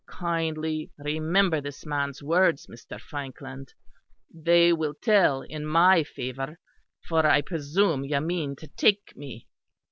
Kindly remember this man's words, Mr. Frankland; they will tell in my favour. For I presume you mean to take me."